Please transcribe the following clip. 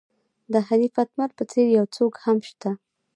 د حنیف اتمر په څېر یو څوک هم شته.